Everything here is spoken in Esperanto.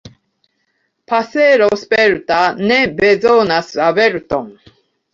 Pasero sperta ne bezonas averton.